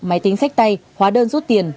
máy tính sách tay hóa đơn rút tiền